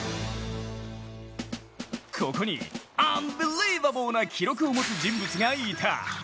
ここにアンビリバボーな記録を持つ人物がいた。